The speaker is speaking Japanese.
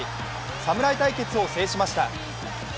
侍対決を制しました。